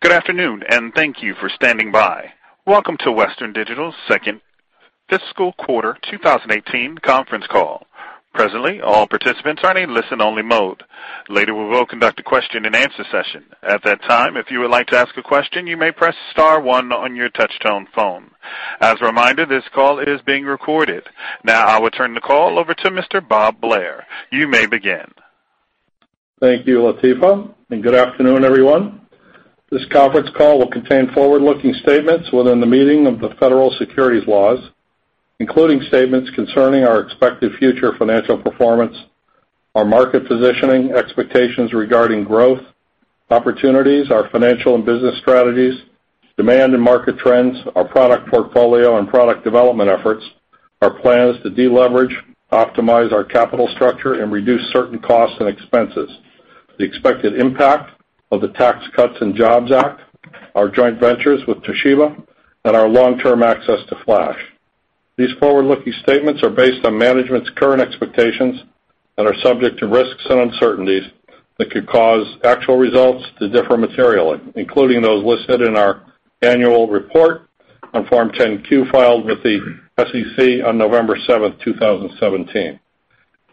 Good afternoon. Thank you for standing by. Welcome to Western Digital's second fiscal quarter 2018 conference call. Presently, all participants are in listen-only mode. Later, we will conduct a question-and-answer session. At that time, if you would like to ask a question, you may press star one on your touch-tone phone. As a reminder, this call is being recorded. Now I will turn the call over to Mr. Bob Blair. You may begin. Thank you, Latifa. Good afternoon, everyone. This conference call will contain forward-looking statements within the meaning of the federal securities laws, including statements concerning our expected future financial performance, our market positioning, expectations regarding growth, opportunities, our financial and business strategies, demand and market trends, our product portfolio and product development efforts, our plans to deleverage, optimize our capital structure, and reduce certain costs and expenses, the expected impact of the Tax Cuts and Jobs Act, our joint ventures with Toshiba, and our long-term access to flash. These forward-looking statements are based on management's current expectations and are subject to risks and uncertainties that could cause actual results to differ materially, including those listed in our annual report on Form 10-K filed with the SEC on November seventh, 2017.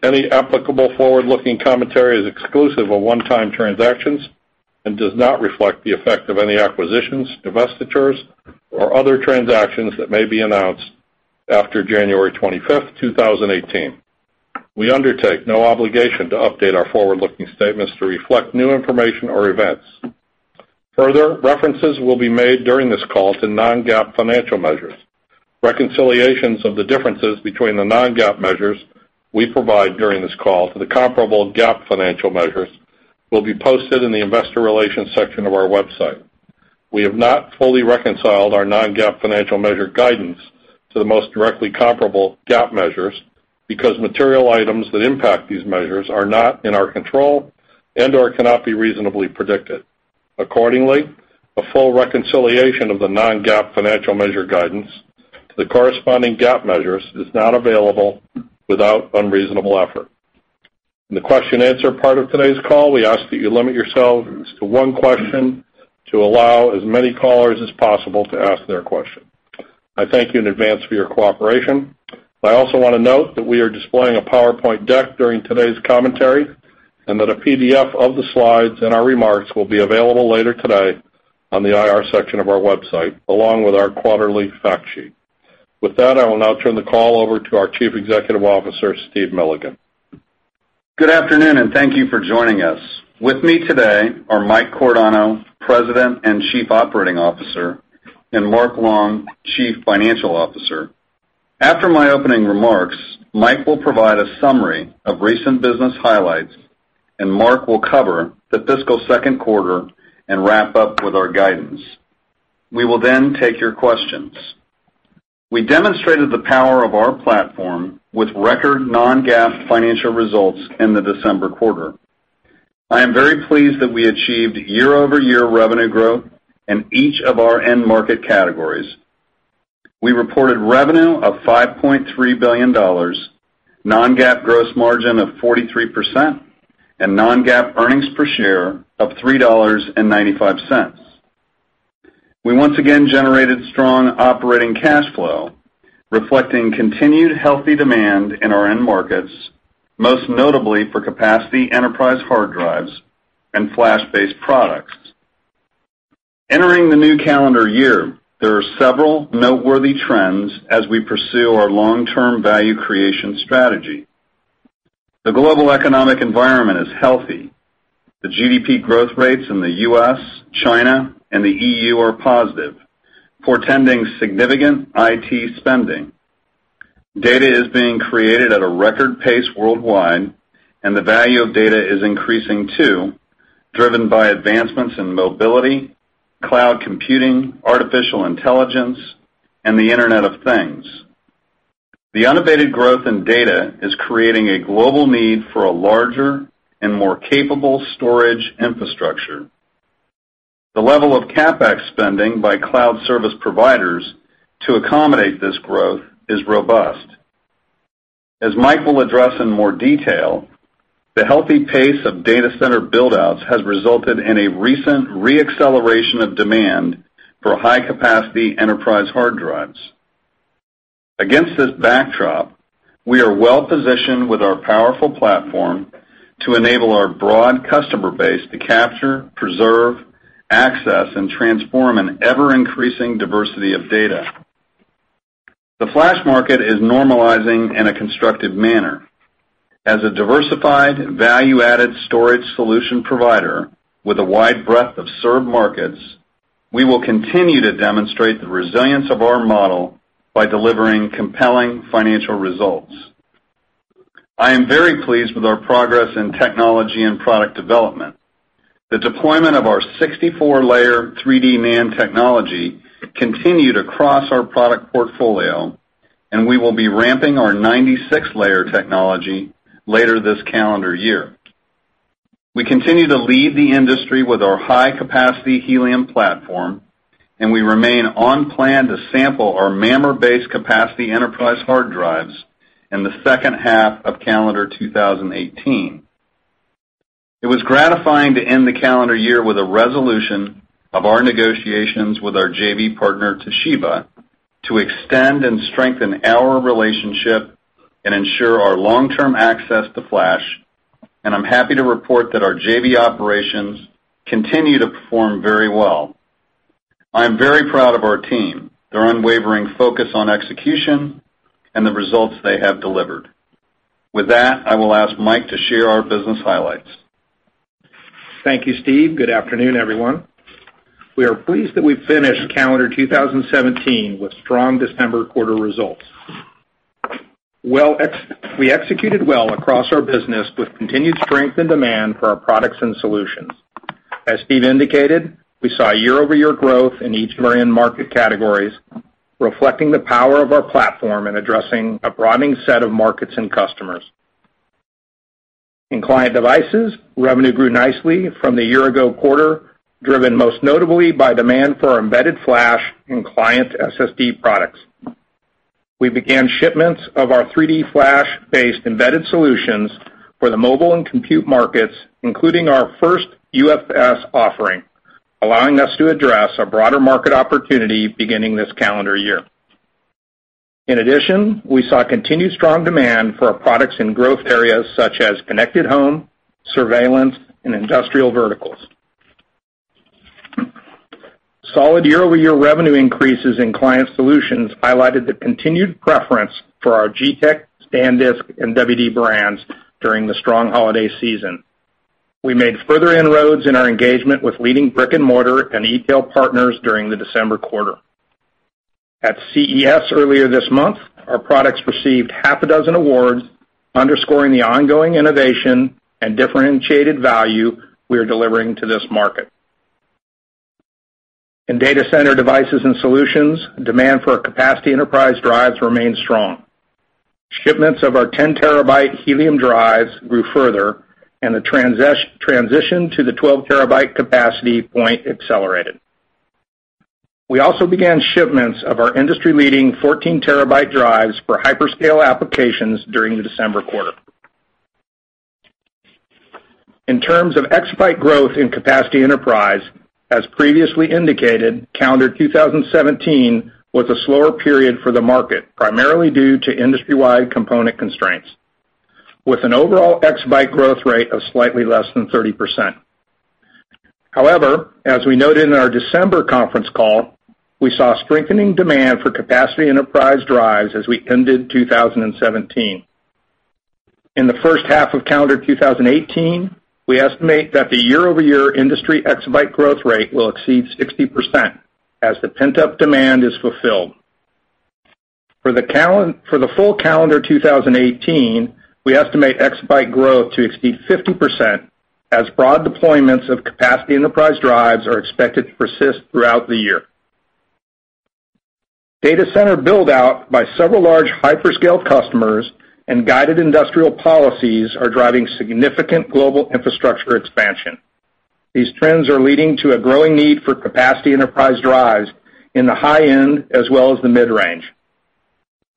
Any applicable forward-looking commentary is exclusive of one-time transactions and does not reflect the effect of any acquisitions, divestitures, or other transactions that may be announced after January 25th, 2018. We undertake no obligation to update our forward-looking statements to reflect new information or events. References will be made during this call to non-GAAP financial measures. Reconciliations of the differences between the non-GAAP measures we provide during this call to the comparable GAAP financial measures will be posted in the investor relations section of our website. We have not fully reconciled our non-GAAP financial measure guidance to the most directly comparable GAAP measures because material items that impact these measures are not in our control and/or cannot be reasonably predicted. Accordingly, a full reconciliation of the non-GAAP financial measure guidance to the corresponding GAAP measures is not available without unreasonable effort. In the question and answer part of today's call, we ask that you limit yourselves to one question to allow as many callers as possible to ask their question. I thank you in advance for your cooperation. I also want to note that we are displaying a PowerPoint deck during today's commentary and that a PDF of the slides and our remarks will be available later today on the IR section of our website, along with our quarterly fact sheet. With that, I will now turn the call over to our Chief Executive Officer, Steve Milligan. Good afternoon, and thank you for joining us. With me today are Mike Cordano, President and Chief Operating Officer, and Mark Long, Chief Financial Officer. After my opening remarks, Mike will provide a summary of recent business highlights, and Mark will cover the fiscal second quarter and wrap up with our guidance. We will take your questions. We demonstrated the power of our platform with record non-GAAP financial results in the December quarter. I am very pleased that we achieved year-over-year revenue growth in each of our end market categories. We reported revenue of $5.3 billion, non-GAAP gross margin of 43%, and non-GAAP earnings per share of $3.95. We once again generated strong operating cash flow, reflecting continued healthy demand in our end markets, most notably for capacity enterprise hard drives and flash-based products. Entering the new calendar year, there are several noteworthy trends as we pursue our long-term value creation strategy. The global economic environment is healthy. The GDP growth rates in the U.S., China, and the EU are positive, portending significant IT spending. Data is being created at a record pace worldwide, and the value of data is increasing, too, driven by advancements in mobility, cloud computing, artificial intelligence, and the Internet of Things. The unabated growth in data is creating a global need for a larger and more capable storage infrastructure. The level of CapEx spending by cloud service providers to accommodate this growth is robust. As Mike will address in more detail, the healthy pace of data center build-outs has resulted in a recent re-acceleration of demand for high-capacity enterprise hard drives. Against this backdrop, we are well-positioned with our powerful platform to enable our broad customer base to capture, preserve, access, and transform an ever-increasing diversity of data. The flash market is normalizing in a constructive manner. As a diversified value-added storage solution provider with a wide breadth of served markets, we will continue to demonstrate the resilience of our model by delivering compelling financial results. I am very pleased with our progress in technology and product development. The deployment of our 64-layer 3D NAND technology continued across our product portfolio. We will be ramping our 96-layer technology later this calendar year. We continue to lead the industry with our high-capacity Helium platform. We remain on plan to sample our MAMR-based capacity enterprise hard drives in the second half of calendar 2018. It was gratifying to end the calendar year with a resolution of our negotiations with our JV partner, Toshiba, to extend and strengthen our relationship and ensure our long-term access to flash. I'm happy to report that our JV operations continue to perform very well. I am very proud of our team, their unwavering focus on execution, and the results they have delivered. With that, I will ask Mike to share our business highlights. Thank you, Steve. Good afternoon, everyone. We are pleased that we finished calendar 2017 with strong December quarter results. We executed well across our business with continued strength and demand for our products and solutions. As Steve indicated, we saw year-over-year growth in each of our end market categories, reflecting the power of our platform in addressing a broadening set of markets and customers. In client devices, revenue grew nicely from the year-ago quarter, driven most notably by demand for our embedded flash in client SSD products. We began shipments of our 3D NAND-based embedded solutions for the mobile and compute markets, including our first UFS offering, allowing us to address a broader market opportunity beginning this calendar year. In addition, we saw continued strong demand for our products in growth areas such as connected home, surveillance, and industrial verticals. Solid year-over-year revenue increases in Client Solutions highlighted the continued preference for our G-Technology, SanDisk, and WD brands during the strong holiday season. We made further inroads in our engagement with leading brick-and-mortar and e-tail partners during the December quarter. At CES earlier this month, our products received half a dozen awards, underscoring the ongoing innovation and differentiated value we are delivering to this market. In Data Center Devices and Solutions, demand for our capacity enterprise drives remained strong. Shipments of our 10-terabyte Helium drives grew further, and the transition to the 12-terabyte capacity point accelerated. We also began shipments of our industry-leading 14-terabyte drives for hyperscale applications during the December quarter. In terms of exabyte growth in capacity enterprise, as previously indicated, calendar 2017 was a slower period for the market, primarily due to industry-wide component constraints, with an overall exabyte growth rate of slightly less than 30%. As we noted in our December conference call, we saw strengthening demand for capacity enterprise drives as we ended 2017. In the first half of calendar 2018, we estimate that the year-over-year industry exabyte growth rate will exceed 60% as the pent-up demand is fulfilled. For the full calendar 2018, we estimate exabyte growth to exceed 50% as broad deployments of capacity enterprise drives are expected to persist throughout the year. Data center build-out by several large hyperscale customers and guided industrial policies are driving significant global infrastructure expansion. These trends are leading to a growing need for capacity enterprise drives in the high-end as well as the mid-range.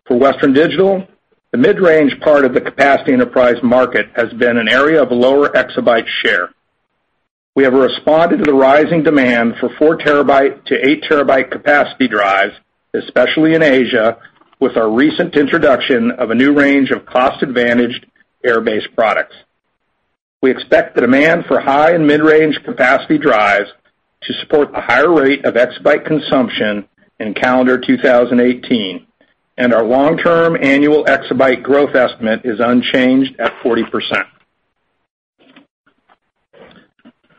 For Western Digital, the mid-range part of the capacity enterprise market has been an area of lower exabyte share. We have responded to the rising demand for 4-terabyte to 8-terabyte capacity drives, especially in Asia, with our recent introduction of a new range of cost-advantaged air-based products. We expect the demand for high- and mid-range capacity drives to support a higher rate of exabyte consumption in calendar 2018. Our long-term annual exabyte growth estimate is unchanged at 40%.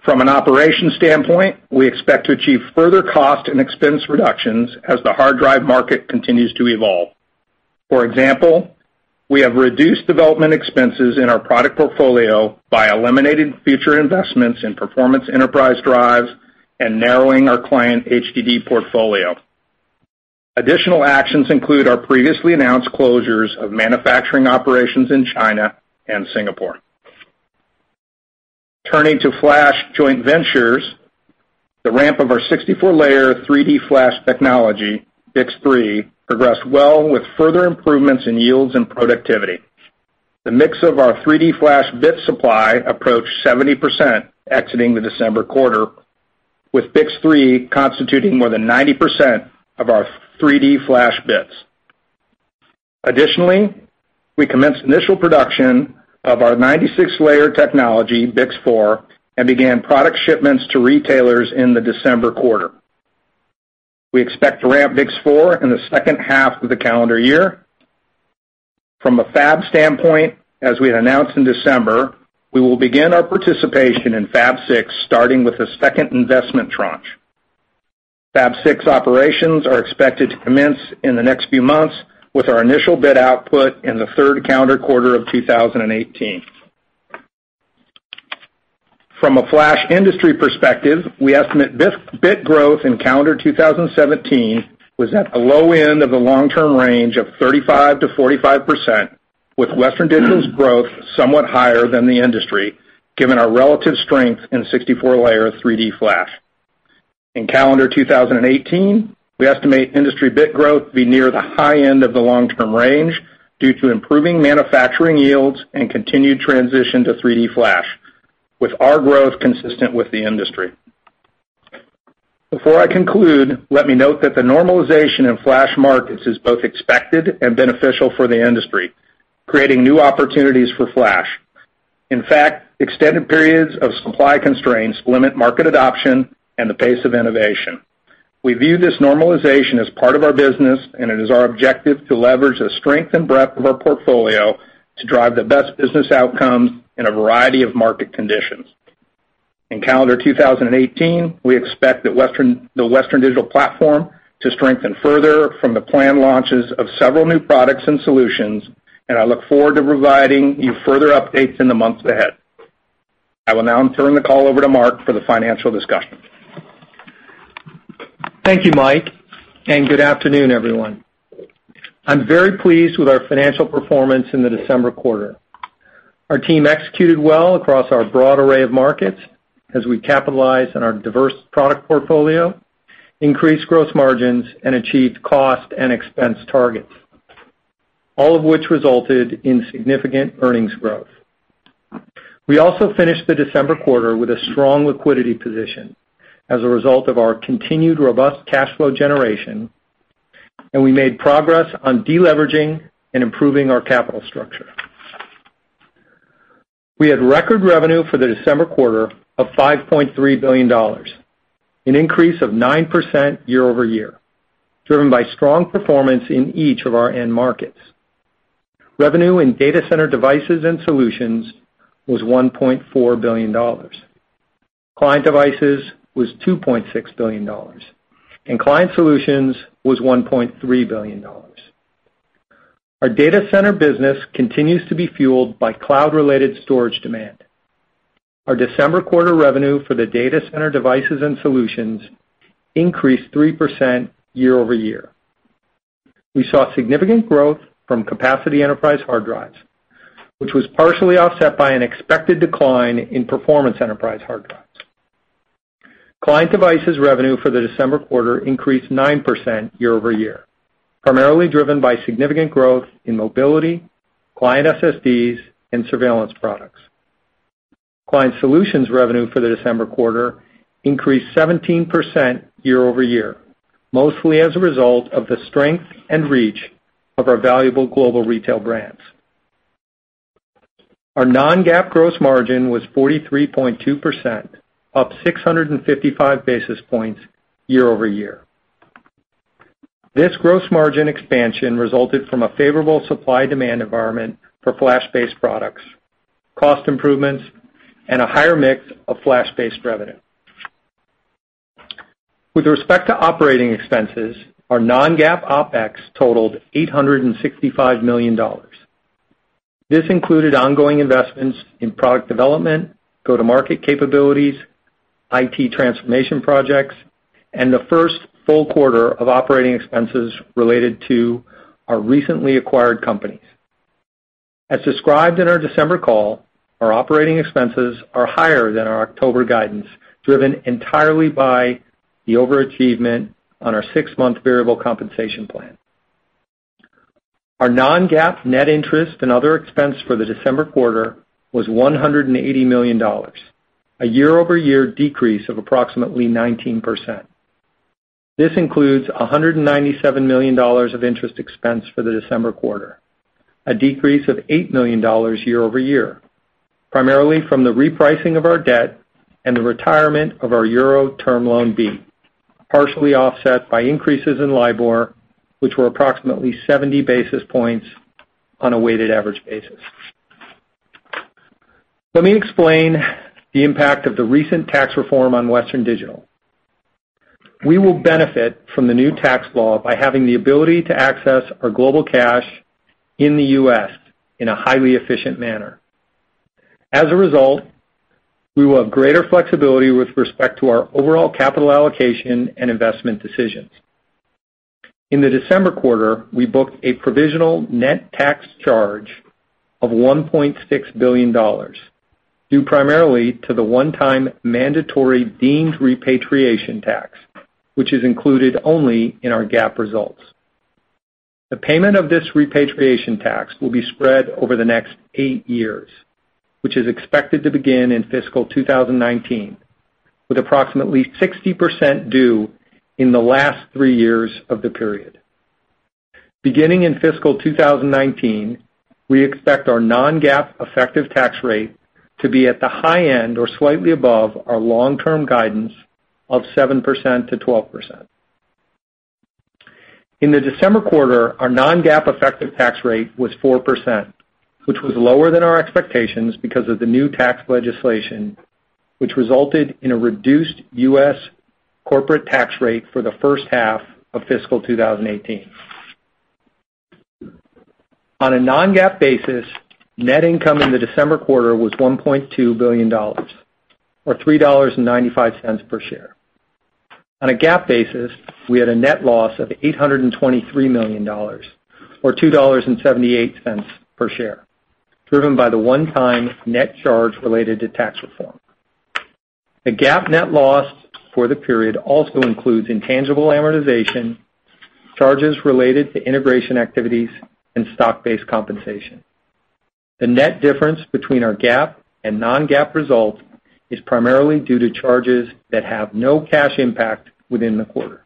From an operations standpoint, we expect to achieve further cost and expense reductions as the hard drive market continues to evolve. For example, we have reduced development expenses in our product portfolio by eliminating future investments in performance enterprise drives and narrowing our client HDD portfolio. Additional actions include our previously announced closures of manufacturing operations in China and Singapore. Turning to flash joint ventures, the ramp of our 64-layer 3D NAND technology, BiCS3, progressed well with further improvements in yields and productivity. The mix of our 3D Flash bit supply approached 70% exiting the December quarter, with BiCS3 constituting more than 90% of our 3D Flash bits. Additionally, we commenced initial production of our 96-layer technology, BiCS4, and began product shipments to retailers in the December quarter. We expect to ramp BiCS4 in the second half of the calendar year. From a fab standpoint, as we had announced in December, we will begin our participation in Fab 6 starting with the second investment tranche. Fab 6 operations are expected to commence in the next few months with our initial bit output in the third calendar quarter of 2018. From a flash industry perspective, we estimate bit growth in calendar 2017 was at the low end of the long-term range of 35%-45%. With Western Digital's growth somewhat higher than the industry, given our relative strength in 64-layer 3D Flash. In calendar 2018, we estimate industry bit growth to be near the high end of the long-term range due to improving manufacturing yields and continued transition to 3D Flash, with our growth consistent with the industry. Before I conclude, let me note that the normalization in flash markets is both expected and beneficial for the industry, creating new opportunities for flash. In fact, extended periods of supply constraints limit market adoption and the pace of innovation. We view this normalization as part of our business, and it is our objective to leverage the strength and breadth of our portfolio to drive the best business outcomes in a variety of market conditions. In calendar 2018, we expect the Western Digital platform to strengthen further from the planned launches of several new products and solutions, and I look forward to providing you further updates in the months ahead. I will now turn the call over to Mark for the financial discussion. Thank you, Mike, and good afternoon, everyone. I'm very pleased with our financial performance in the December quarter. Our team executed well across our broad array of markets as we capitalize on our diverse product portfolio, increased gross margins, and achieved cost and expense targets, all of which resulted in significant earnings growth. We also finished the December quarter with a strong liquidity position as a result of our continued robust cash flow generation, and we made progress on de-leveraging and improving our capital structure. We had record revenue for the December quarter of $5.3 billion, an increase of 9% year-over-year, driven by strong performance in each of our end markets. Revenue in data center devices and solutions was $1.4 billion. Client devices was $2.6 billion. Client solutions was $1.3 billion. Our data center business continues to be fueled by cloud-related storage demand. Our December quarter revenue for the data center devices and solutions increased 3% year-over-year. We saw significant growth from capacity enterprise hard drives, which was partially offset by an expected decline in performance enterprise hard drives. Client devices revenue for the December quarter increased 9% year-over-year, primarily driven by significant growth in mobility, client SSDs, and surveillance products. Client solutions revenue for the December quarter increased 17% year-over-year, mostly as a result of the strength and reach of our valuable global retail brands. Our non-GAAP gross margin was 43.2%, up 655 basis points year-over-year. This gross margin expansion resulted from a favorable supply-demand environment for flash-based products, cost improvements, and a higher mix of flash-based revenue. With respect to operating expenses, our non-GAAP OpEx totaled $865 million. This included ongoing investments in product development, go-to-market capabilities, IT transformation projects, and the first full quarter of operating expenses related to our recently acquired companies. As described in our December call, our operating expenses are higher than our October guidance, driven entirely by the overachievement on our six-month variable compensation plan. Our non-GAAP net interest and other expense for the December quarter was $180 million, a year-over-year decrease of approximately 19%. This includes $197 million of interest expense for the December quarter, a decrease of $8 million year-over-year, primarily from the repricing of our debt and the retirement of our Euro Term Loan B, partially offset by increases in LIBOR, which were approximately 70 basis points on a weighted average basis. Let me explain the impact of the recent tax reform on Western Digital. We will benefit from the new tax law by having the ability to access our global cash in the U.S. in a highly efficient manner. As a result, we will have greater flexibility with respect to our overall capital allocation and investment decisions. In the December quarter, we booked a provisional net tax charge of $1.6 billion, due primarily to the one-time mandatory deemed repatriation tax, which is included only in our GAAP results. The payment of this repatriation tax will be spread over the next eight years, which is expected to begin in fiscal 2019, with approximately 60% due in the last three years of the period. Beginning in fiscal 2019, we expect our non-GAAP effective tax rate to be at the high end or slightly above our long-term guidance of 7%-12%. In the December quarter, our non-GAAP effective tax rate was 4%, which was lower than our expectations because of the new tax legislation, which resulted in a reduced U.S. corporate tax rate for the first half of fiscal 2018. On a non-GAAP basis, net income in the December quarter was $1.2 billion, or $3.95 per share. On a GAAP basis, we had a net loss of $823 million, or $2.78 per share, driven by the one-time net charge related to tax reform. The GAAP net loss for the period also includes intangible amortization, charges related to integration activities, and stock-based compensation. The net difference between our GAAP and non-GAAP results is primarily due to charges that have no cash impact within the quarter.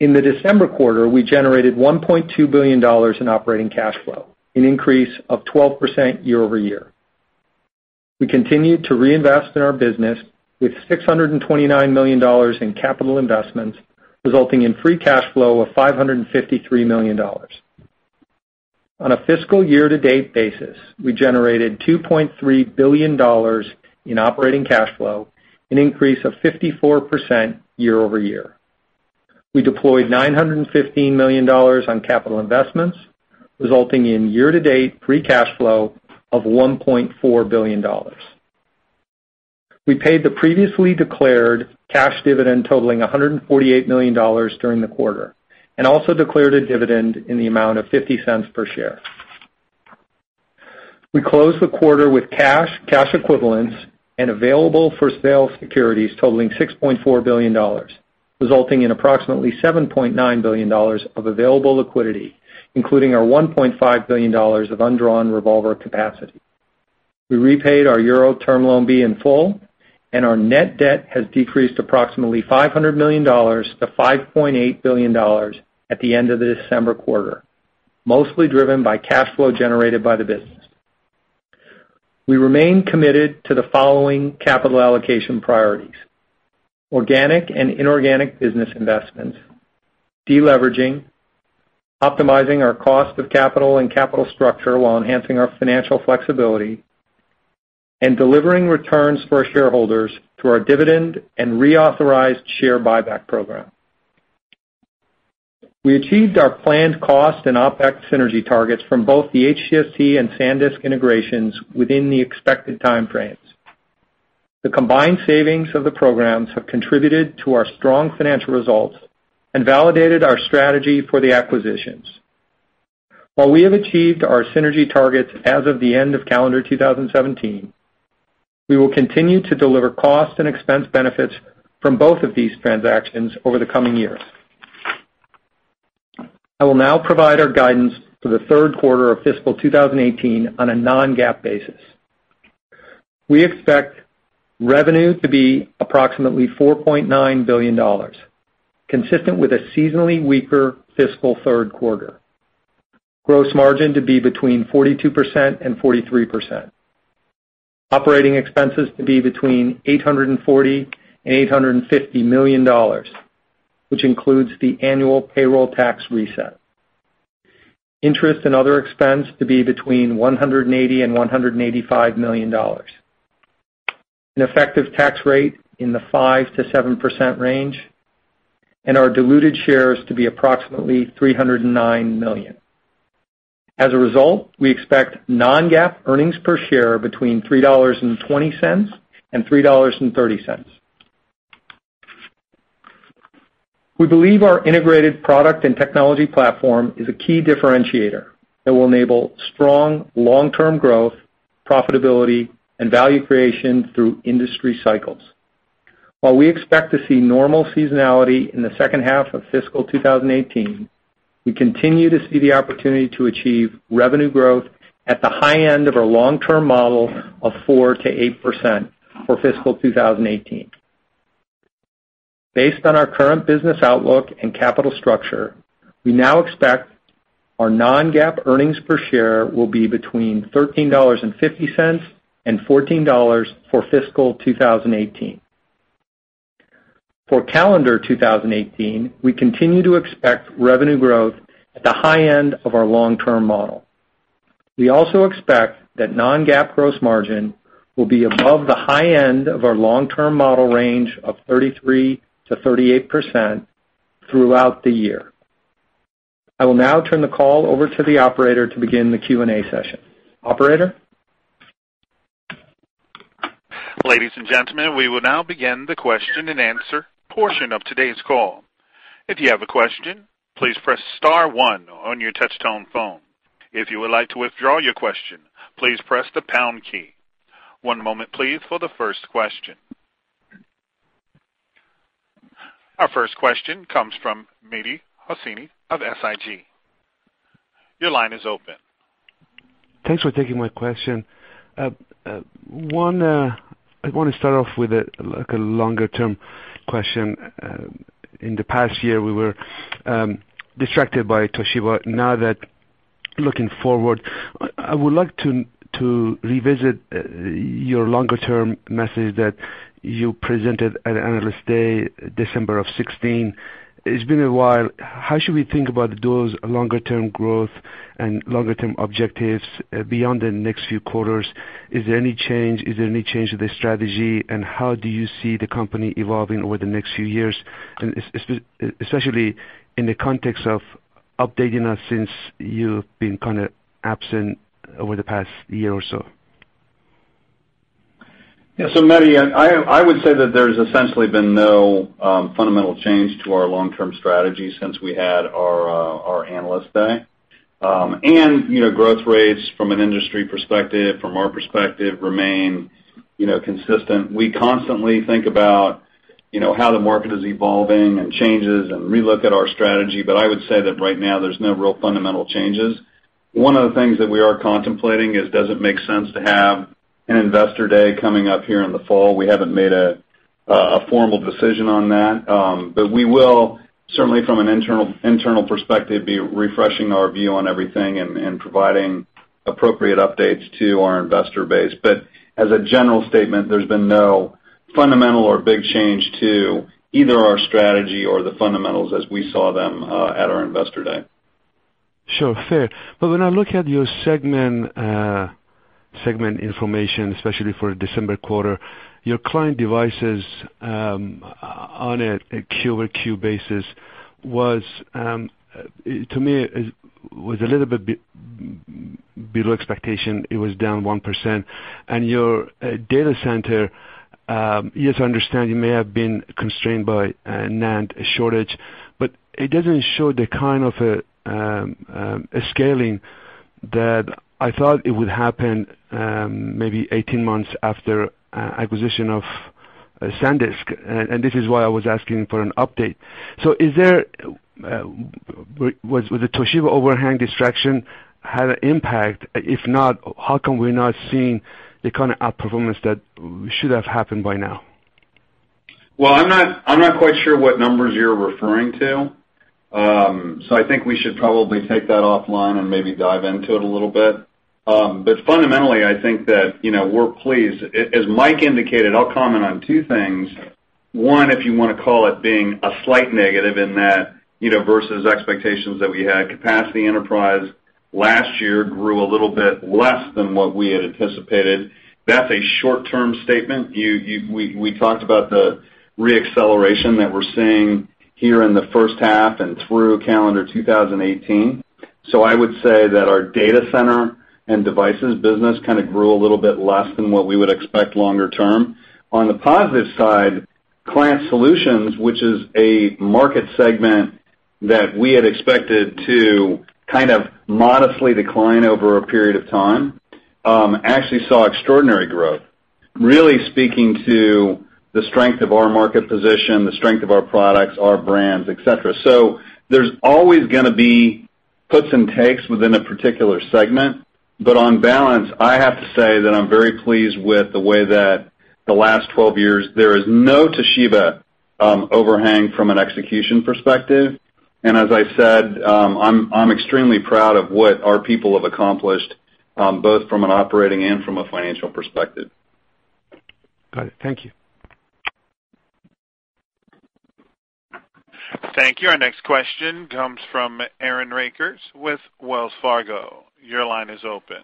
In the December quarter, we generated $1.2 billion in operating cash flow, an increase of 12% year-over-year. We continued to reinvest in our business with $629 million in capital investments, resulting in free cash flow of $553 million. On a fiscal year-to-date basis, we generated $2.3 billion in operating cash flow, an increase of 54% year-over-year. We deployed $915 million on capital investments, resulting in year-to-date free cash flow of $1.4 billion. We paid the previously declared cash dividend totaling $148 million during the quarter, and also declared a dividend in the amount of $0.50 per share. We closed the quarter with cash equivalents, and available-for-sale securities totaling $6.4 billion, resulting in approximately $7.9 billion of available liquidity, including our $1.5 billion of undrawn revolver capacity. We repaid our Euro Term Loan B in full, and our net debt has decreased approximately $500 million to $5.8 billion at the end of the December quarter, mostly driven by cash flow generated by the business. We remain committed to the following capital allocation priorities: organic and inorganic business investments, deleveraging, optimizing our cost of capital and capital structure while enhancing our financial flexibility, and delivering returns for our shareholders through our dividend and reauthorized share buyback program. We achieved our planned cost and OpEx synergy targets from both the HGST and SanDisk integrations within the expected time frames. The combined savings of the programs have contributed to our strong financial results and validated our strategy for the acquisitions. While we have achieved our synergy targets as of the end of calendar 2017, we will continue to deliver cost and expense benefits from both of these transactions over the coming years. I will now provide our guidance for the third quarter of fiscal 2018 on a non-GAAP basis. We expect revenue to be approximately $4.9 billion, consistent with a seasonally weaker fiscal third quarter. Gross margin to be between 42%-43%. Operating expenses to be between $840 million and $850 million, which includes the annual payroll tax reset. Interest and other expense to be between $180 million and $185 million. An effective tax rate in the 5%-7% range, and our diluted shares to be approximately 309 million. As a result, we expect non-GAAP earnings per share between $3.20 and $3.30. We believe our integrated product and technology platform is a key differentiator that will enable strong long-term growth, profitability, and value creation through industry cycles. While we expect to see normal seasonality in the second half of fiscal 2018, we continue to see the opportunity to achieve revenue growth at the high end of our long-term model of 4%-8% for fiscal 2018. Based on our current business outlook and capital structure, we now expect our non-GAAP earnings per share will be between $13.50 and $14 for fiscal 2018. For calendar 2018, we continue to expect revenue growth at the high end of our long-term model. We also expect that non-GAAP gross margin will be above the high end of our long-term model range of 33%-38% throughout the year. I will now turn the call over to the operator to begin the Q&A session. Operator? Ladies and gentlemen, we will now begin the question and answer portion of today's call. If you have a question, please press star one on your touch tone phone. If you would like to withdraw your question, please press the pound key. One moment please for the first question. Our first question comes from Mehdi Hosseini of SIG. Your line is open. Thanks for taking my question. I want to start off with a longer-term question. In the past year, we were distracted by Toshiba. Looking forward, I would like to revisit your longer-term message that you presented at Analyst Day, December of 2016. It's been a while. How should we think about those longer-term growth and longer-term objectives beyond the next few quarters? Is there any change to the strategy, and how do you see the company evolving over the next few years, especially in the context of updating us since you've been kind of absent over the past year or so. Yeah. Mehdi, I would say that there's essentially been no fundamental change to our long-term strategy since we had our Analyst Day. Growth rates from an industry perspective, from our perspective, remain consistent. We constantly think about how the market is evolving and changes, and relook at our strategy. I would say that right now, there's no real fundamental changes. One of the things that we are contemplating is, does it make sense to have an Investor Day coming up here in the fall? We haven't made a formal decision on that. We will certainly, from an internal perspective, be refreshing our view on everything and providing appropriate updates to our investor base. As a general statement, there's been no fundamental or big change to either our strategy or the fundamentals as we saw them at our Investor Day. Sure. Fair. When I look at your segment information, especially for the December quarter, your client devices on a quarter-over-quarter basis was, to me, a little bit below expectation. It was down 1%. Your data center, yes, I understand it may have been constrained by a NAND shortage, but it doesn't show the kind of scaling that I thought it would happen maybe 18 months after acquisition of SanDisk. This is why I was asking for an update. Was the Toshiba overhang distraction had an impact? If not, how come we're not seeing the kind of outperformance that should have happened by now? I'm not quite sure what numbers you're referring to. I think we should probably take that offline and maybe dive into it a little bit. Fundamentally, I think that we're pleased. As Mike indicated, I'll comment on two things. One, if you want to call it being a slight negative in that versus expectations that we had, capacity enterprise last year grew a little bit less than what we had anticipated. That's a short-term statement. We talked about the re-acceleration that we're seeing here in the first half and through calendar 2018. I would say that our data center and devices business kind of grew a little bit less than what we would expect longer term. On the positive side, client solutions, which is a market segment that we had expected to kind of modestly decline over a period of time, actually saw extraordinary growth, really speaking to the strength of our market position, the strength of our products, our brands, et cetera. There's always going to be puts and takes within a particular segment. On balance, I have to say that I'm very pleased with the way that the last 12 years, there is no Toshiba overhang from an execution perspective. As I said, I'm extremely proud of what our people have accomplished, both from an operating and from a financial perspective. Got it. Thank you. Thank you. Our next question comes from Aaron Rakers with Wells Fargo. Your line is open.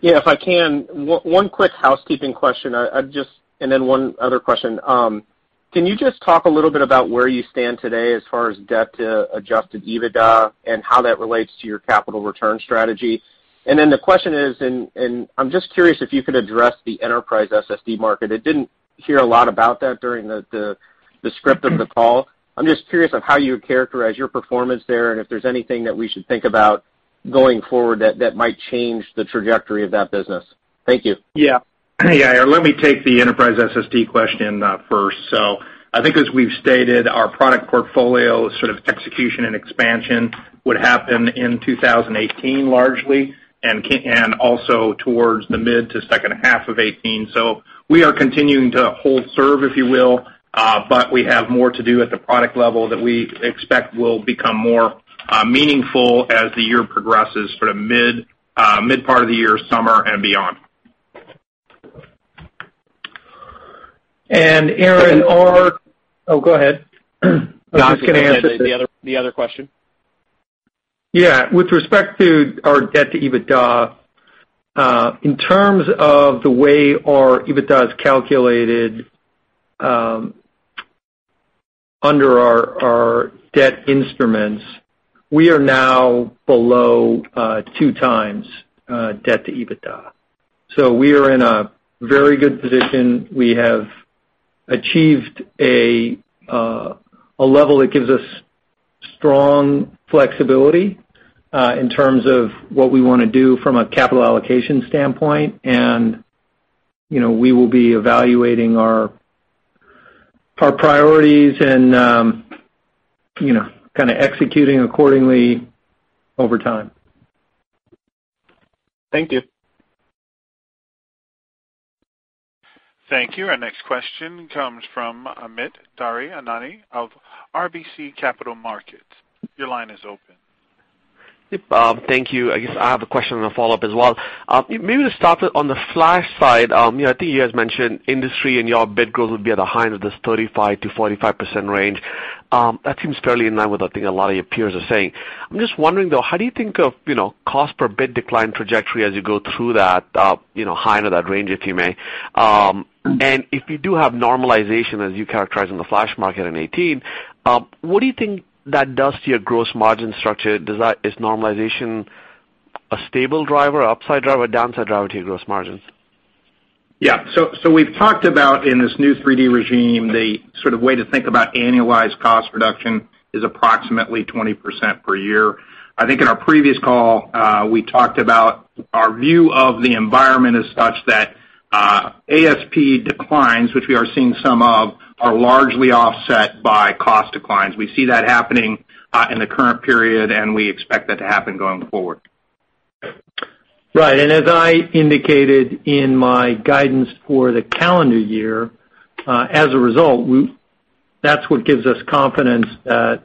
Yeah, if I can, one quick housekeeping question, then one other question. Can you just talk a little bit about where you stand today as far as debt to adjusted EBITDA and how that relates to your capital return strategy? The question is, I'm just curious if you could address the enterprise SSD market. I didn't hear a lot about that during the script of the call. I'm just curious on how you would characterize your performance there and if there's anything that we should think about going forward that might change the trajectory of that business. Thank you. Yeah. Yeah, Aaron, let me take the enterprise SSD question first. I think as we've stated, our product portfolio sort of execution and expansion would happen in 2018 largely and also towards the mid to second half of 2018. We are continuing to hold serve, if you will, but we have more to do at the product level that we expect will become more meaningful as the year progresses for the mid part of the year, summer and beyond. Aaron, Oh, go ahead. I was just going to answer the- The other question. Yeah. With respect to our debt to EBITDA, in terms of the way our EBITDA is calculated under our debt instruments, we are now below 2x debt to EBITDA. We are in a very good position. We have achieved a level that gives us strong flexibility in terms of what we want to do from a capital allocation standpoint. We will be evaluating our priorities and kind of executing accordingly over time. Thank you. Thank you. Our next question comes from Amit Daryanani of RBC Capital Markets. Your line is open. Yep. Thank you. I guess I have a question and a follow-up as well. Maybe to start on the flash side, I think you guys mentioned industry and your bit growth will be at the high end of this 35%-45% range. That seems fairly in line with I think a lot of your peers are saying. I'm just wondering though, how do you think of cost per bit decline trajectory as you go through that high end of that range, if you may? If you do have normalization, as you characterize in the flash market in 2018, what do you think that does to your gross margin structure? Is normalization a stable driver, upside driver, downside driver to your gross margins? Yeah. We've talked about in this new 3D regime, the sort of way to think about annualized cost reduction is approximately 20% per year. I think in our previous call, we talked about our view of the environment as such that ASP declines, which we are seeing some of, are largely offset by cost declines. We see that happening, in the current period, we expect that to happen going forward. Right. As I indicated in my guidance for the calendar year, as a result, that's what gives us confidence that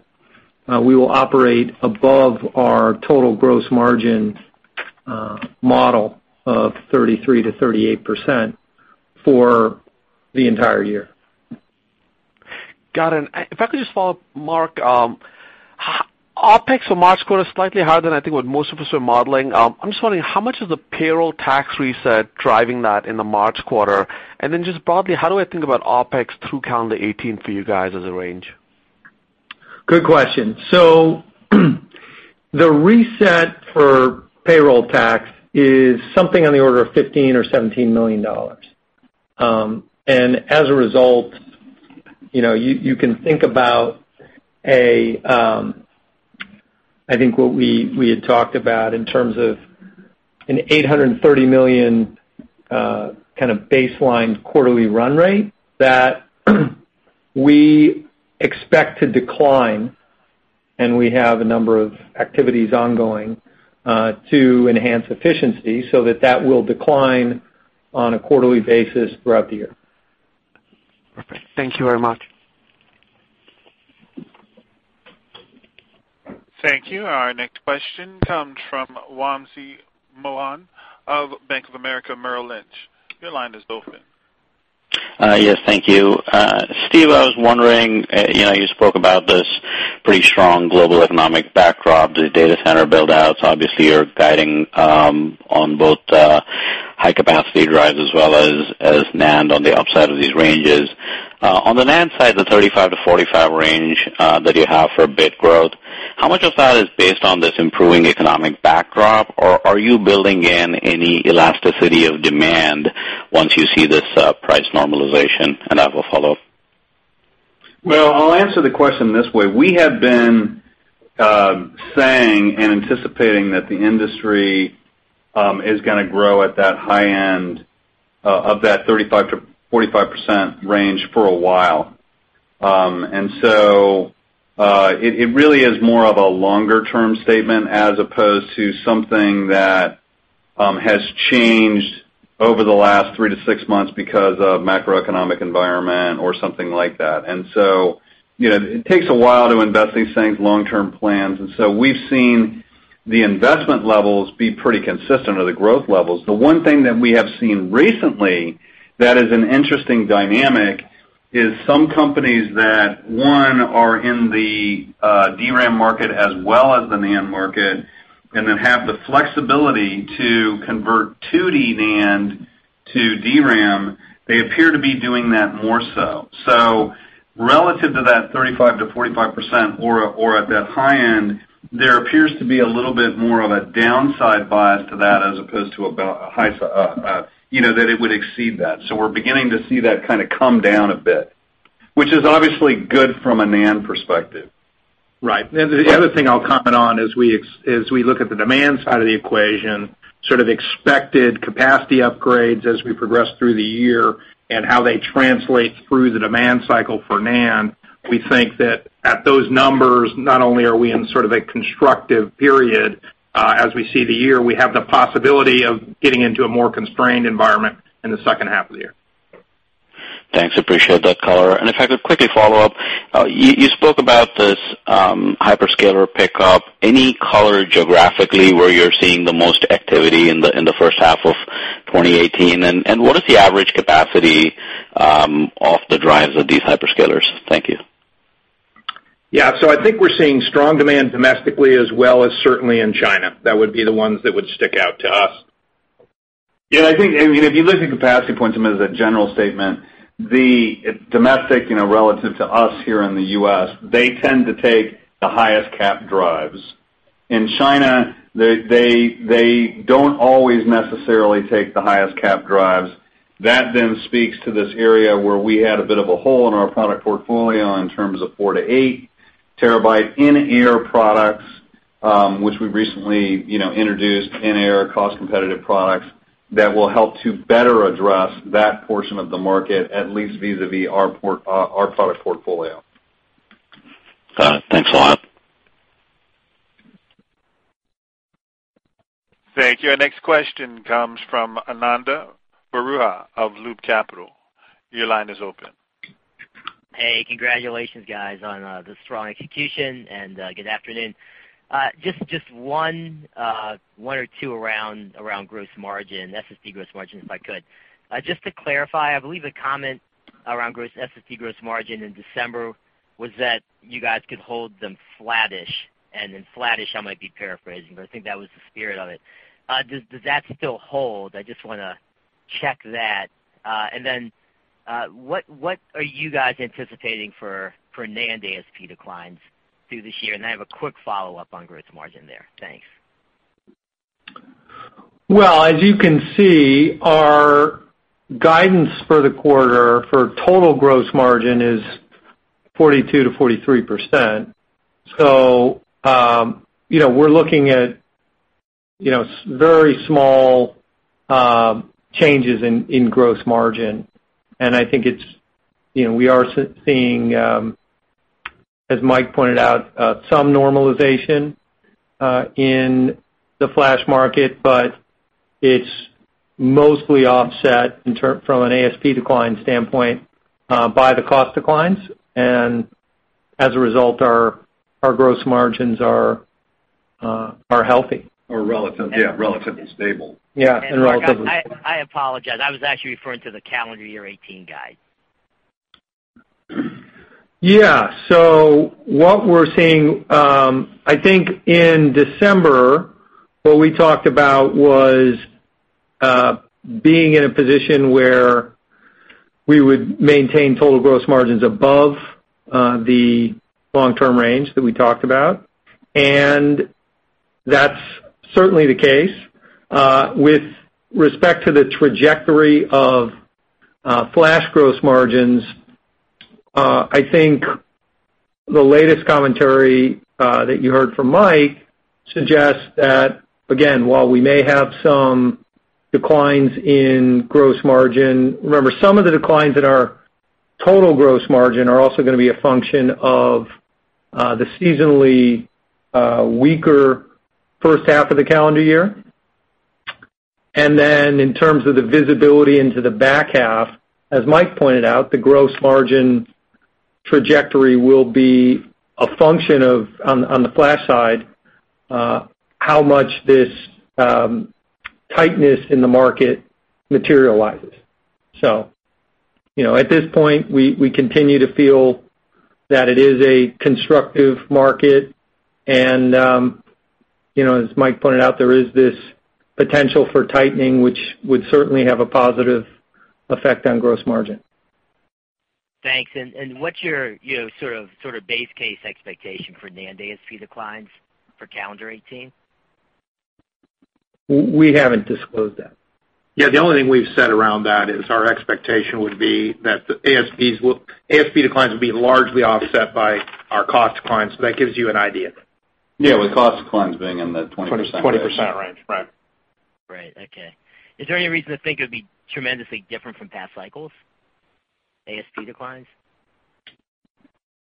we will operate above our total gross margin model of 33%-38% for the entire year. Got it. If I could just follow up, Mark, OpEx for March quarter is slightly higher than I think what most of us are modeling. I'm just wondering how much of the payroll tax reset driving that in the March quarter? Then just broadly, how do I think about OpEx through calendar 2018 for you guys as a range? Good question. The reset for payroll tax is something on the order of $15 million or $17 million. As a result, you can think about, I think what we had talked about in terms of an $830 million kind of baseline quarterly run rate that we expect to decline, we have a number of activities ongoing to enhance efficiency so that that will decline on a quarterly basis throughout the year. Perfect. Thank you very much. Thank you. Our next question comes from Wamsi Mohan of Bank of America Merrill Lynch. Your line is open. Yes. Thank you. Steve, I was wondering, you spoke about this pretty strong global economic backdrop, the data center build-outs. Obviously, you're guiding on both high-capacity drives as well as NAND on the upside of these ranges. On the NAND side, the 35%-45% range that you have for bit growth, how much of that is based on this improving economic backdrop, or are you building in any elasticity of demand once you see this price normalization? I have a follow-up. Well, I'll answer the question this way. We have been saying and anticipating that the industry is going to grow at that high end of that 35%-45% range for a while. It really is more of a longer-term statement as opposed to something that has changed over the last three to six months because of macroeconomic environment or something like that. It takes a while to invest these things, long-term plans. We've seen the investment levels be pretty consistent or the growth levels. The one thing that we have seen recently that is an interesting dynamic is some companies that, one, are in the DRAM market as well as the NAND market, and then have the flexibility to convert 2D NAND to DRAM, they appear to be doing that more so. Relative to that 35%-45% or at that high end, there appears to be a little bit more of a downside bias to that as opposed to a high side, that it would exceed that. We're beginning to see that kind of come down a bit, which is obviously good from a NAND perspective. Right. The other thing I'll comment on as we look at the demand side of the equation, sort of expected capacity upgrades as we progress through the year, and how they translate through the demand cycle for NAND, we think that at those numbers, not only are we in sort of a constructive period, as we see the year, we have the possibility of getting into a more constrained environment in the second half of the year. Thanks. Appreciate that color. If I could quickly follow up, you spoke about this hyperscaler pickup. Any color geographically where you're seeing the most activity in the first half of 2018, and what is the average capacity off the drives of these hyperscalers? Thank you. Yeah. I think we're seeing strong demand domestically as well as certainly in China. That would be the ones that would stick out to us. Yeah, I think, if you look at capacity points as a general statement, the domestic relative to us here in the U.S., they tend to take the highest cap drives. In China, they don't always necessarily take the highest cap drives. That then speaks to this area where we had a bit of a hole in our product portfolio in terms of four to eight terabyte in-air products, which we've recently introduced in-air cost-competitive products that will help to better address that portion of the market, at least vis-à-vis our product portfolio. Got it. Thanks a lot. Thank you. Our next question comes from Ananda Baruah of Loop Capital. Your line is open. Hey, congratulations guys on the strong execution, and good afternoon. Just one or two around SSD gross margin, if I could. Just to clarify, I believe a comment around SSD gross margin in December was that you guys could hold them flattish, and in flattish, I might be paraphrasing, but I think that was the spirit of it. Does that still hold? I just want to check that. What are you guys anticipating for NAND ASP declines through this year? I have a quick follow-up on gross margin there. Thanks. As you can see, our guidance for the quarter for total gross margin is 42%-43%. We're looking at very small changes in gross margin. I think we are seeing, as Mike pointed out, some normalization in the flash market, but it's mostly offset from an ASP decline standpoint by the cost declines. As a result, our gross margins are healthy. Are relatively, yeah, relatively stable. Yeah, and relatively I apologize. I was actually referring to the calendar year 2018 guide. Yeah. What we're seeing, I think in December, what we talked about was being in a position where we would maintain total gross margins above the long-term range that we talked about, and that's certainly the case. With respect to the trajectory of flash gross margins, I think the latest commentary that you heard from Mike suggests that, again, while we may have some declines in gross margin, remember, some of the declines in our total gross margin are also going to be a function of the seasonally weaker first half of the calendar year. In terms of the visibility into the back half, as Mike pointed out, the gross margin trajectory will be a function of, on the flash side, how much this tightness in the market materializes. At this point, we continue to feel that it is a constructive market and, as Mike pointed out, there is this potential for tightening, which would certainly have a positive effect on gross margin. Thanks. What's your sort of base case expectation for NAND ASP declines for calendar 2018? We haven't disclosed that. Yeah, the only thing we've said around that is our expectation would be that the ASP declines will be largely offset by our cost declines. That gives you an idea. Yeah, with cost declines being in the 20% range. 20% range, right. Right. Okay. Is there any reason to think it would be tremendously different from past cycles, ASP declines?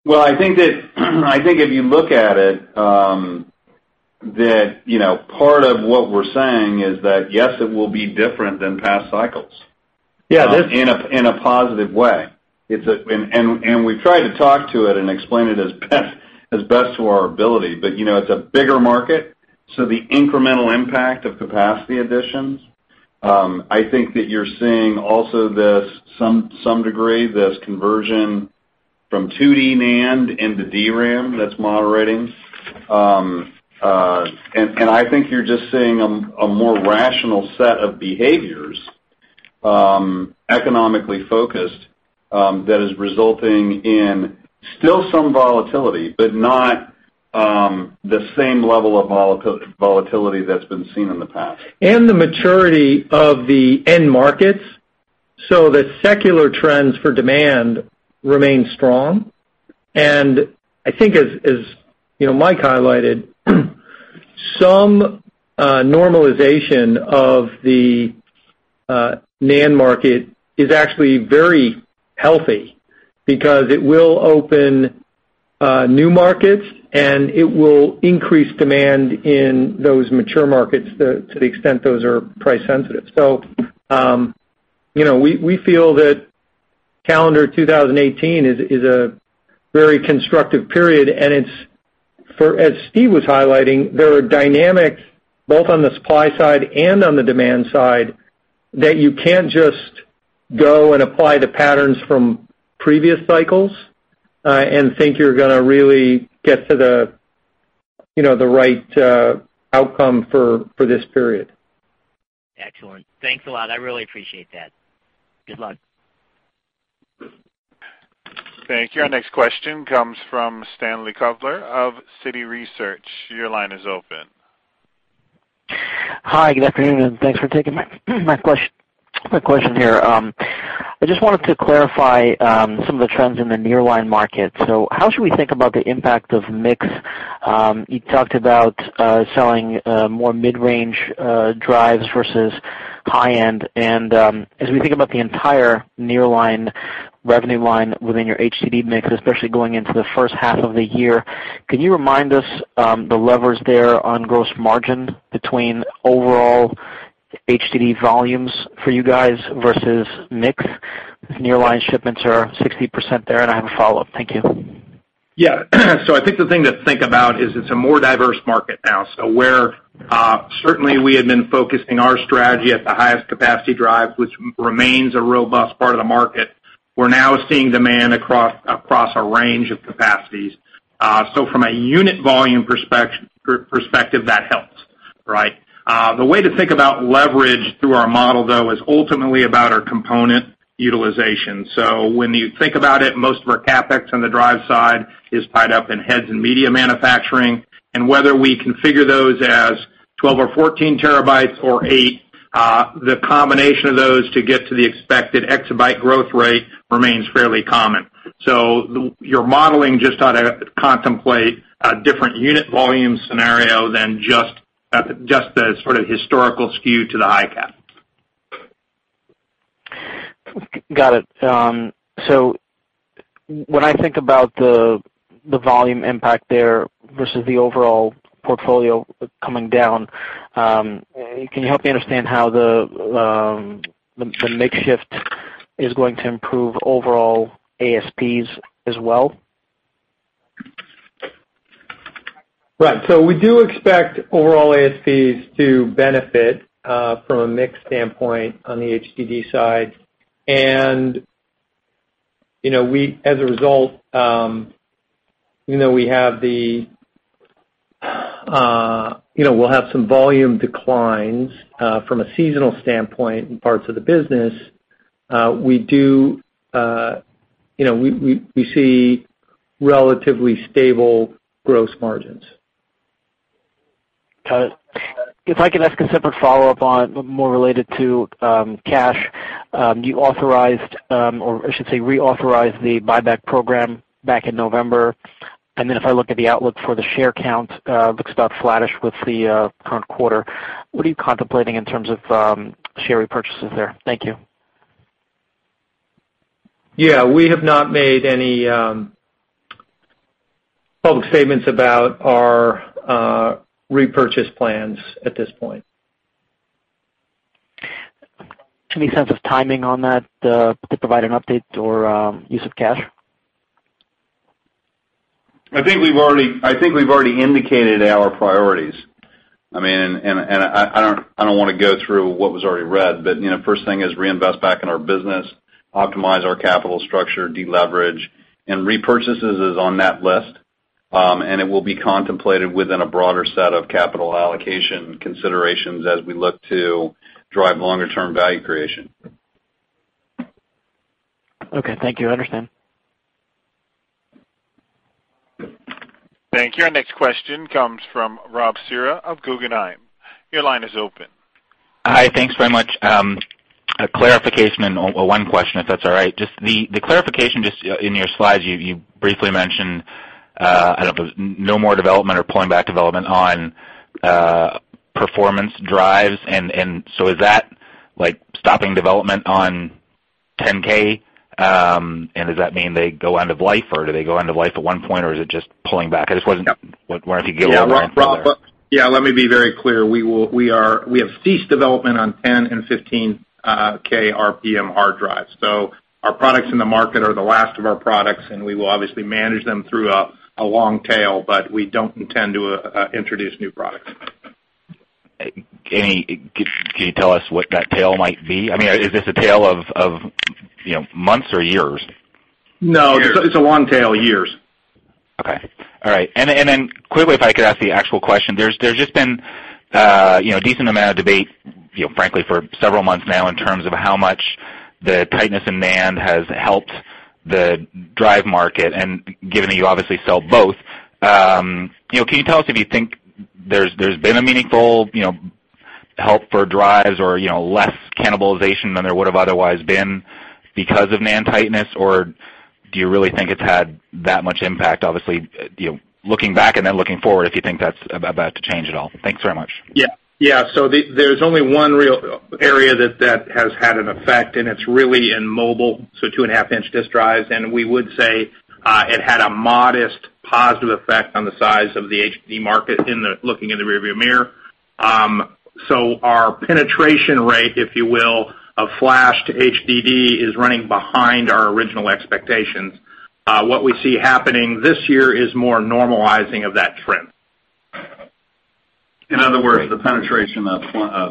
Well, I think if you look at it, that part of what we're saying is that, yes, it will be different than past cycles. Yeah. In a positive way. We've tried to talk to it and explain it as best to our ability, but it's a bigger market, so the incremental impact of capacity additions, I think that you're seeing also this, some degree, this conversion from 2D NAND into DRAM that's moderating. I think you're just seeing a more rational set of behaviors, economically focused, that is resulting in still some volatility, but not the same level of volatility that's been seen in the past. The maturity of the end markets. The secular trends for demand remain strong. I think as Mike highlighted, some normalization of the NAND market is actually very healthy because it will open new markets, and it will increase demand in those mature markets to the extent those are price sensitive. We feel that calendar 2018 is a very constructive period, and as Steve was highlighting, there are dynamics both on the supply side and on the demand side that you can't just go and apply the patterns from previous cycles, and think you're going to really get to the right outcome for this period. Excellent. Thanks a lot. I really appreciate that. Good luck. Thank you. Our next question comes from Stanley Kovler of Citi Research. Your line is open. Hi, good afternoon, thanks for taking my question here. I just wanted to clarify some of the trends in the nearline market. How should we think about the impact of mix? You talked about selling more mid-range drives versus high-end, and as we think about the entire nearline revenue line within your HDD mix, especially going into the first half of the year, can you remind us the levers there on gross margin between overall HDD volumes for you guys versus mix? Nearline shipments are 60% there, I have a follow-up. Thank you. I think the thing to think about is it's a more diverse market now. Where certainly we had been focusing our strategy at the highest capacity drive, which remains a robust part of the market, we're now seeing demand across a range of capacities. From a unit volume perspective, that helps. Right. The way to think about leverage through our model, though, is ultimately about our component utilization. When you think about it, most of our CapEx on the drive side is tied up in heads and media manufacturing, and whether we configure those as 12 or 14 terabytes or eight, the combination of those to get to the expected exabyte growth rate remains fairly common. You're modeling just how to contemplate a different unit volume scenario than just the sort of historical skew to the high cap. Got it. When I think about the volume impact there versus the overall portfolio coming down, can you help me understand how the makeshift is going to improve overall ASPs as well? Right. We do expect overall ASPs to benefit from a mix standpoint on the HDD side. As a result, we'll have some volume declines from a seasonal standpoint in parts of the business. We see relatively stable gross margins. Got it. If I can ask a separate follow-up on more related to cash. You authorized, or I should say reauthorized the buyback program back in November. If I look at the outlook for the share count, looks about flattish with the current quarter. What are you contemplating in terms of share repurchases there? Thank you. Yeah, we have not made any public statements about our repurchase plans at this point. Any sense of timing on that to provide an update or use of cash? I think we've already indicated our priorities. I don't want to go through what was already read. First thing is reinvest back in our business, optimize our capital structure, de-leverage, and repurchases is on that list, and it will be contemplated within a broader set of capital allocation considerations as we look to drive longer-term value creation. Okay, thank you. I understand. Thank you. Our next question comes from Rob Cihra of Guggenheim. Your line is open. Hi. Thanks very much. A clarification and one question, if that's all right. Just the clarification, just in your slides, you briefly mentioned no more development or pulling back development on performance drives. Is that stopping development on 10K? And does that mean they go end of life or do they go end of life at one point or is it just pulling back? Wondering if you could elaborate further. Yeah, let me be very clear. We have ceased development on 10 and 15K RPM hard drives. Our products in the market are the last of our products, and we will obviously manage them through a long tail, but we don't intend to introduce new products. Can you tell us what that tail might be? Is this a tail of months or years? No, it's a long tail, years. Okay. All right. Quickly, if I could ask the actual question. There's just been a decent amount of debate, frankly, for several months now in terms of how much the tightness in NAND has helped the drive market. Given that you obviously sell both, can you tell us if you think there's been a meaningful help for drives or less cannibalization than there would have otherwise been because of NAND tightness? Do you really think it's had that much impact, obviously, looking back and then looking forward, if you think that's about to change at all? Thanks very much. Yeah. There's only one real area that has had an effect, and it's really in mobile, two and a half inch disk drives. We would say it had a modest positive effect on the size of the HDD market looking in the rear-view mirror. Our penetration rate, if you will, of flash to HDD is running behind our original expectations. What we see happening this year is more normalizing of that trend. In other words, the penetration of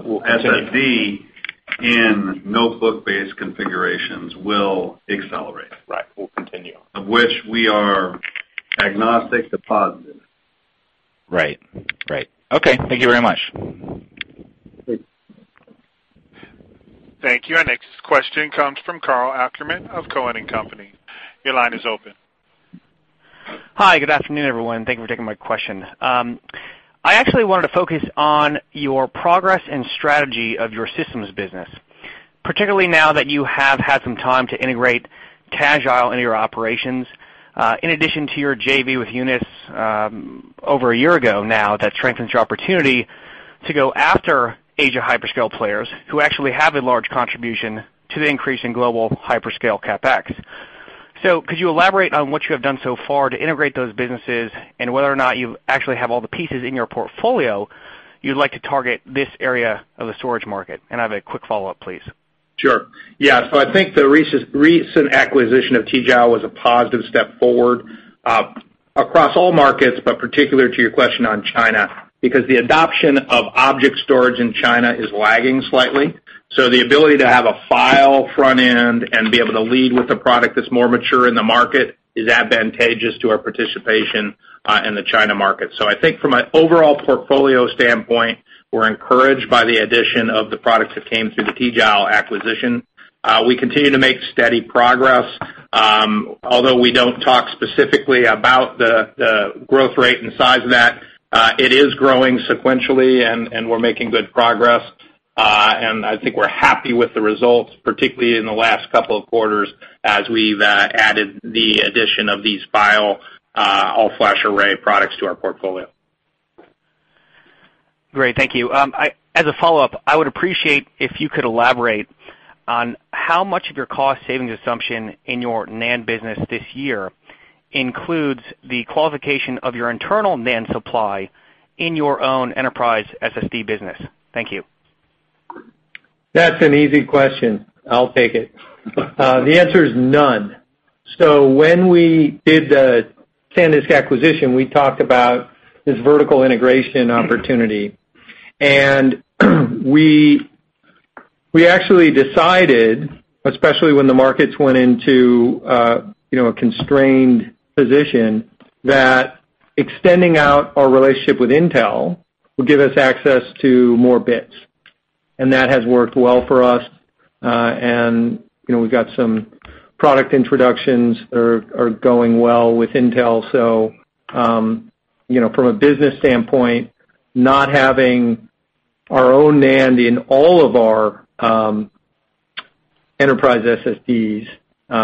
SSD in notebook-based configurations will accelerate. Right. Will continue. Of which we are agnostic to positive. Right. Okay. Thank you very much. Thanks. Thank you. Our next question comes from Karl Ackerman of Cowen and Company. Your line is open. Hi, good afternoon, everyone. Thank you for taking my question. I actually wanted to focus on your progress and strategy of your systems business, particularly now that you have had some time to integrate Tegile into your operations, in addition to your JV with Unis over a year ago now, that strengthens your opportunity to go after Asia hyperscale players who actually have a large contribution to the increase in global hyperscale CapEx. Could you elaborate on what you have done so far to integrate those businesses and whether or not you actually have all the pieces in your portfolio you'd like to target this area of the storage market? I have a quick follow-up, please. Sure. Yeah. I think the recent acquisition of Tegile was a positive step forward across all markets, but particular to your question on China, because the adoption of object storage in China is lagging slightly. The ability to have a file front end and be able to lead with a product that's more mature in the market is advantageous to our participation in the China market. I think from an overall portfolio standpoint, we're encouraged by the addition of the products that came through the Tegile acquisition. We continue to make steady progress. Although we don't talk specifically about the growth rate and size of that, it is growing sequentially, and we're making good progress. I think we're happy with the results, particularly in the last couple of quarters, as we've added the addition of these file all-flash array products to our portfolio. Great, thank you. As a follow-up, I would appreciate if you could elaborate on how much of your cost-savings assumption in your NAND business this year includes the qualification of your internal NAND supply in your own enterprise SSD business. Thank you. That's an easy question. I'll take it. The answer is none. When we did the SanDisk acquisition, we talked about this vertical integration opportunity. We actually decided, especially when the markets went into a constrained position, that extending out our relationship with Intel would give us access to more bits. That has worked well for us. We've got some product introductions that are going well with Intel. From a business standpoint, not having our own NAND in all of our enterprise SSDs,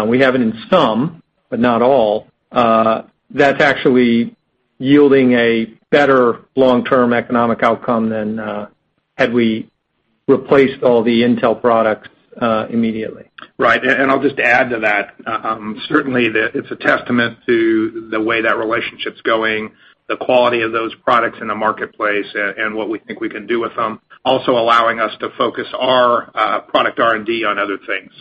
we have it in some, but not all. That's actually yielding a better long-term economic outcome than had we replaced all the Intel products immediately. Right. I'll just add to that. Certainly, it's a testament to the way that relationship's going, the quality of those products in the marketplace, and what we think we can do with them, also allowing us to focus our product R&D on other things.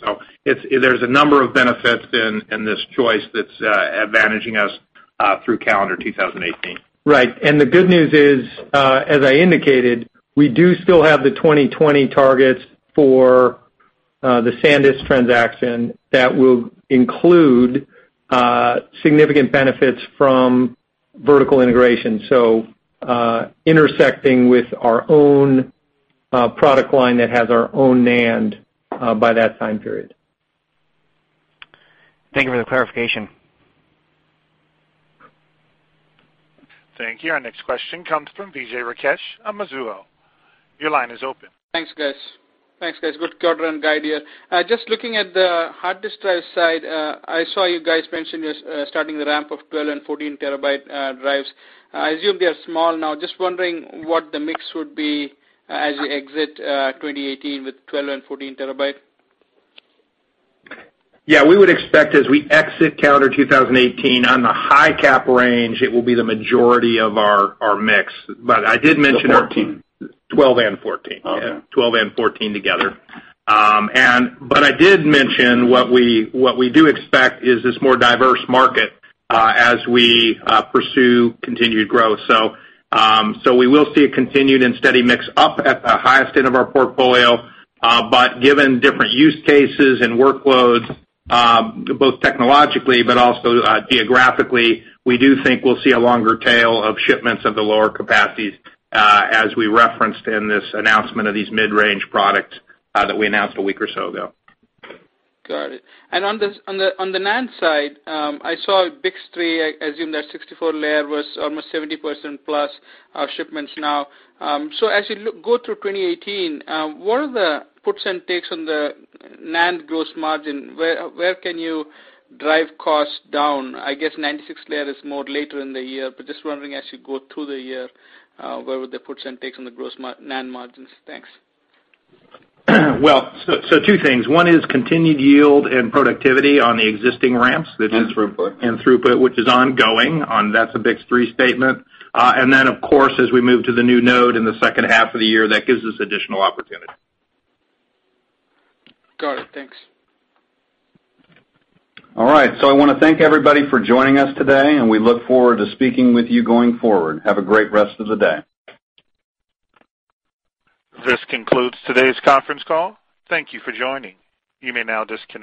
There's a number of benefits in this choice that's advantaging us through calendar 2018. Right. The good news is, as I indicated, we do still have the 2020 targets for the SanDisk transaction that will include significant benefits from vertical integration, intersecting with our own product line that has our own NAND by that time period. Thank you for the clarification. Thank you. Our next question comes from Vijay Rakesh of Mizuho. Your line is open. Thanks, guys. Good quarter and guide year. Just looking at the hard disk drive side, I saw you guys mention you're starting the ramp of 12 and 14 terabyte drives. I assume they are small now. Just wondering what the mix would be as you exit 2018 with 12 and 14 terabyte. Yeah, we would expect as we exit calendar 2018 on the high cap range, it will be the majority of our mix. I did mention. The 14? 12 and 14. Okay. 12 and 14 together. I did mention what we do expect is this more diverse market as we pursue continued growth. We will see a continued and steady mix up at the highest end of our portfolio. Given different use cases and workloads, both technologically but also geographically, we do think we'll see a longer tail of shipments of the lower capacities as we referenced in this announcement of these mid-range products that we announced a week or so ago. Got it. On the NAND side, I saw BiCS3, I assume that 64-layer was almost 70%+ our shipments now. As you go through 2018, what are the puts and takes on the NAND gross margin? Where can you drive costs down? I guess 96-layer is more later in the year, but just wondering as you go through the year, where would the puts and takes on the gross NAND margins? Thanks. Two things. One is continued yield and productivity on the existing ramps. Throughput. Throughput, which is ongoing, that's a BiCS3 statement. Then, of course, as we move to the new node in the second half of the year, that gives us additional opportunity. Got it. Thanks. All right. I want to thank everybody for joining us today, and we look forward to speaking with you going forward. Have a great rest of the day. This concludes today's conference call. Thank you for joining. You may now disconnect.